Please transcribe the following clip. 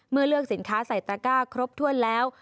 เมื่อเลือกสินค้าใส่ตระก้าครบถ้วนแล้ว